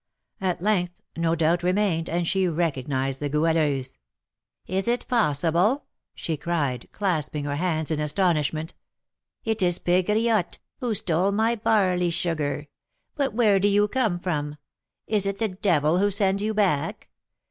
At length no doubt remained, and she recognised the Goualeuse. "Is it possible?" she cried, clasping her hands in astonishment. "It is Pegriotte, who stole my barley sugar. But where do you come from? Is it the devil who sends you back?"